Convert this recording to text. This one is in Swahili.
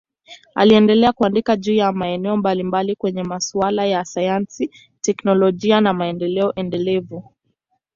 Aliendelea kuandika juu ya maeneo mbalimbali kwenye masuala ya sayansi, teknolojia na maendeleo endelevu.